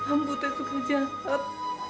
ambo tuh suka jahat